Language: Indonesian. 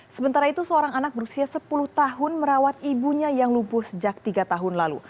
sementara itu seorang anak berusia sepuluh tahun merawat ibunya yang lumpuh sejak tiga tahun lalu